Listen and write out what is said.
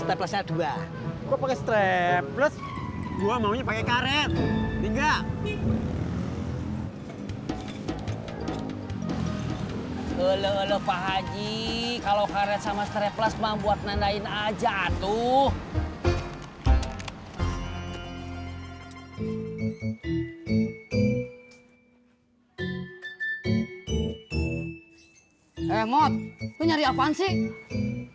eh mot lu nyari apaan sih